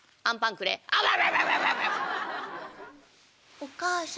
「お母さん。